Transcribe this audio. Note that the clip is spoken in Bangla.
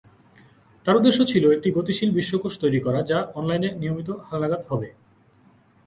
তার উদ্দেশ্য ছিল একটি গতিশীল বিশ্বকোষ তৈরি করা যা অনলাইনে নিয়মিত হালনাগাদ হবে।